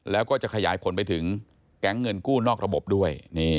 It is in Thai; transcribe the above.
แล้วก็จะขยายผลไปถึงแก๊งเงินกู้นอกระบบด้วย